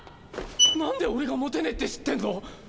なんで俺がモテねぇって知ってんの？